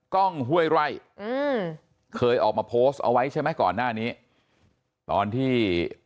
กล้องห้วยไร่อืมเคยออกมาโพสต์เอาไว้ใช่ไหมก่อนหน้านี้ตอนที่